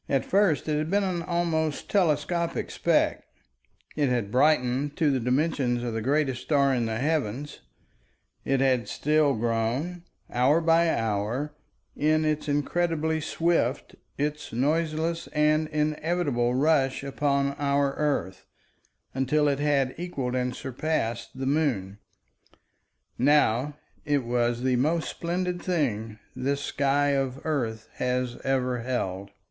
At first it had been an almost telescopic speck; it had brightened to the dimensions of the greatest star in the heavens; it had still grown, hour by hour, in its incredibly swift, its noiseless and inevitable rush upon our earth, until it had equaled and surpassed the moon. Now it was the most splendid thing this sky of earth has ever held.